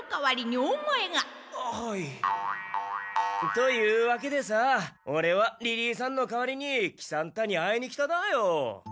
というわけでさオレはリリーさんの代わりに喜三太に会いに来ただよ。